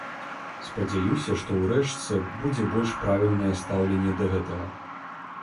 Спадзяюся, што ўрэшце будзе больш правільнае стаўленне да гэтага.